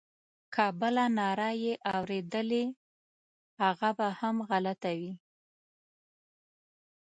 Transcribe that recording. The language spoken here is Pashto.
که بله ناره یې اورېدلې هغه به هم غلطه وي.